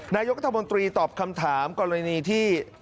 นายกรัฐมนตรีตอบคำถามกรณีที่